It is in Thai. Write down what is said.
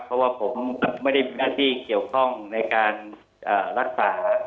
เพราะว่าผมไม่ได้มีหน้าที่เกี่ยวข้องในการรักษา